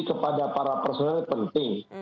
kepada para personel penting